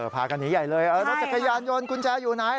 พากันหนีใหญ่เลยรถจักรยานยนต์กุญแจอยู่ไหน